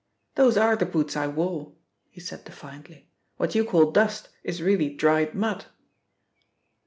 "Those are the boots I wore," he said defiantly. "What you call 'dust' is really dried mud."